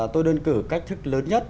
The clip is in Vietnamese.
tôi đơn cử cách thức lớn nhất